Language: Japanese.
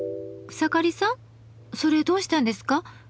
草刈さんそれどうしたんですか？